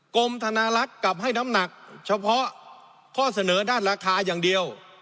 กรมธนารักษ์กลับให้น้ำหนักเฉพาะข้อเสนอด้านราคาอย่างเดียว